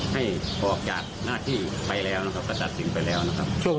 ให้ออกจากหน้าที่ไปแล้วนะครับก็ตัดสินไปแล้วนะครับ